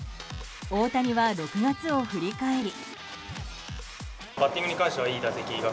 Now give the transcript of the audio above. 大谷は６月を振り返り。